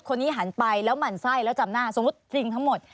คนนี้หันไปแล้วหมั่นไส้แล้วจำหน้าสมมุติจริงทั้งหมด